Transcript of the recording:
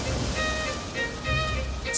dia mencintai putri duyung